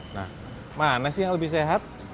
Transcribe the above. nah mana sih yang lebih sehat